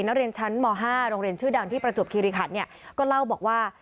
นักเรียนชั้นม๕โรงเรียนชื่อดังที่ประจวบคิริขันเนี่ยก็เล่าบอกว่า